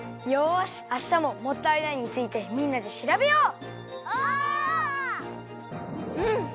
よしあしたも「もったいない」についてみんなでしらべよう！